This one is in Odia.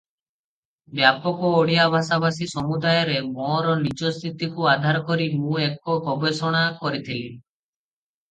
ବ୍ୟାପକ ଓଡ଼ିଆ ଭାଷାଭାଷୀ ସମୁଦାୟରେ ମୋର ନିଜ ସ୍ଥିତିକୁ ଆଧାର କରି ମୁଁ ଏକ ଗବେଷଣା କରିଥିଲି ।